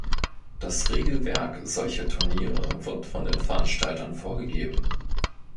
Das Regelwerk solcher Turniere wird von den Veranstaltern vorgegeben.